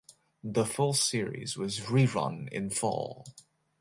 The full series was rerun in fall.